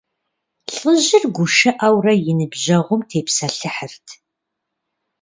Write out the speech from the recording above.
ЛӀыжьыр гушыӀэурэ и ныбжьэгъум тепсэлъыхьырт.